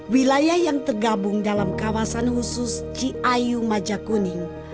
wilayah yang tergabung dalam kawasan khusus ciayu majakuning